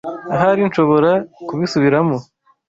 Ahari nshobora kubisubiramo.